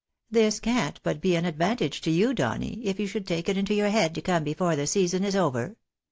This can't but be an advantage to you, Donny, if you should take it into your head to come before the season is over.